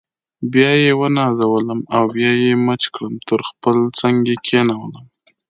بیا یې ونازولم او بیا یې مچ کړم تر خپل څنګ یې کښېنولم.